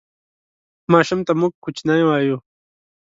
ماشوم ته موږ کوچنی وایو